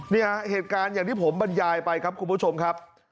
เนี่ยเหตุการณ์อย่างที่ผมบรรยายไปครับคุณผู้ชมครับ